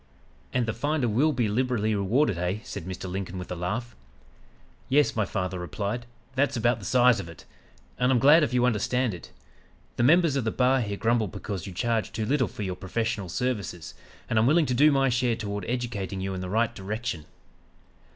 "'And "the finder will be liberally rewarded," eh?' said Mr. Lincoln with a laugh. "'Yes,' my father replied, 'that's about the size of it; and I'm glad if you understand it. The members of the bar here grumble because you charge too little for your professional services, and I'm willing to do my share toward educating you in the right direction.'